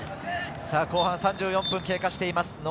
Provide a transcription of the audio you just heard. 後半３４分経過しています。